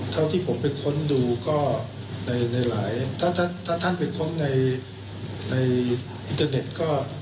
ที่ผมไปค้นดูก็ในหลายถ้าท่านไปค้นในอินเทอร์เน็ตก็